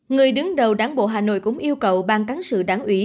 người đứng đầu đáng bộ hà nội cũng yêu cầu ban cắn sự đảng ủy